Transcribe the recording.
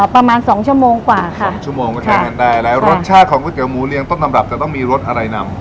ประมาณสองชั่วโมงกว่าค่ะสองชั่วโมงก็ใช้กันได้แล้วรสชาติของก๋วเตี๋หมูเรียงต้นตำรับจะต้องมีรสอะไรนำ